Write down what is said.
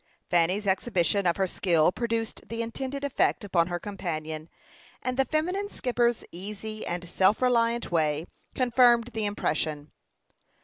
Fanny's exhibition of her skill produced the intended effect upon her companion, and the feminine skipper's easy and self reliant way confirmed the impression.